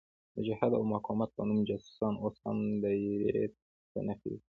د جهاد او مقاومت په نوم جاسوسان اوس هم دایرې ته نڅېږي.